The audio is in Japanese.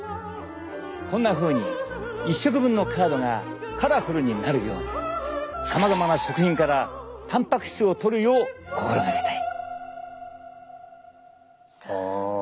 こんなふうに１食分のカードがカラフルになるようにさまざまな食品からたんぱく質をとるよう心がけたい。